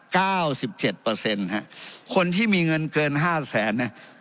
เก้าสิบเจ็ดเปอร์เซ็นต์ฮะคนที่มีเงินเกินห้าแสนเนี้ย